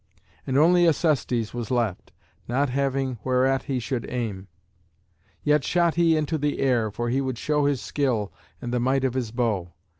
And only Acestes was left, not having whereat he should aim; yet shot he into the air, for he would show his skill and the might of his bow.